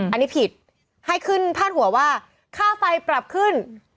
อันนี้ผิดให้ขึ้นพาดหัวว่าค่าไฟปรับขึ้น